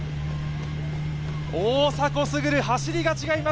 大迫傑、走りが違います。